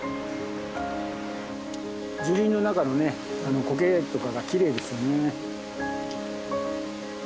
樹林の中のコケとかがきれいですよね。